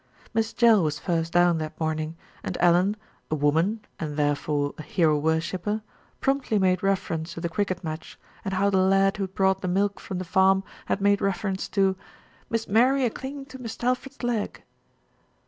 Miss Jell was first down that morning, and Ellen, a woman and therefore a hero worshipper, promptly made reference to the cricket match and how the lad who brought the milk from the farm had made refer ence to "Miss Mary a clinging to Mist' Alfred's leg."